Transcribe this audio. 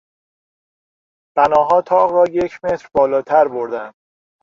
بناها تاق را یک متر بالاتر بردند.